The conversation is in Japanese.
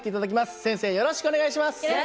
よろしくお願いします。